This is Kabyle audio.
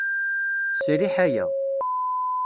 Sriḥ aya.